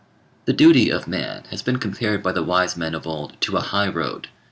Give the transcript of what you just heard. The duty of man has been compared by the wise men of old to a high road.